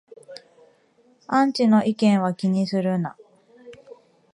アンチの意見は気にするな